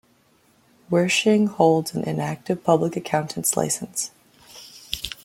Wersching holds an inactive public accountant's license.